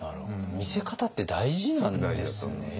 見せ方って大事なんですね。